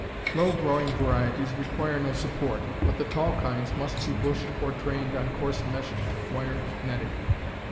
Low growing varieties require no support, but the tall kinds must be bushed or trained on coarse meshed wire netting.